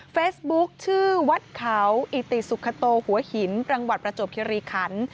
เฟซบุ๊คชื่อวัดเขาอิติสุขโตหัวหินจังหวัดประจวบคิริขัน